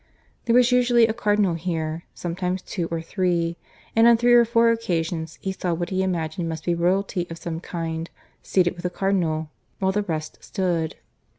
There was usually a cardinal here, sometimes two or three; and on three or four occasions he saw what he imagined must be royalty of some kind, seated with a cardinal, while the rest stood.